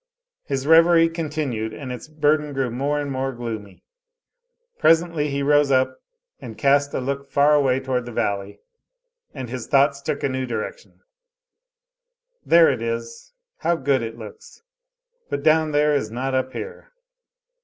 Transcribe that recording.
His reverie continued, and its burden grew more and more gloomy. Presently he rose up and, cast a look far away toward the valley, and his thoughts took a new direction: "There it is! How good it looks! But down there is not up here.